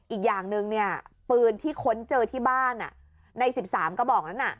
อีกอย่างหนึ่งเนี่ยปืนที่ค้นเจอที่บ้านใน๑๓กระบอกนั้น